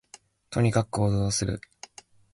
とにかく行動する